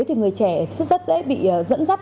thì người trẻ rất dễ bị dẫn dắt